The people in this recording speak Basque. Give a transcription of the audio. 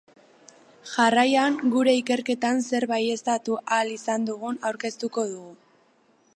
Jarraian, gure ikerketan zer baieztatu ahal izan dugun aurkeztuko dugu.